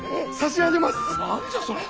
何じゃそれは。